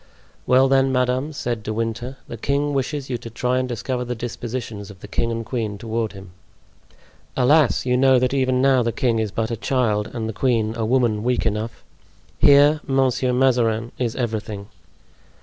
"Well, then, madame," said De Winter, "the king wishes you to try and discover the dispositions of the king and queen toward him." "Alas! you know that even now the king is but a child and the queen a woman weak enough. Here, Monsieur Mazarin is everything."